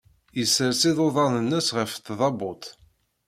Yessers iḍudan-nnes ɣef tdabut.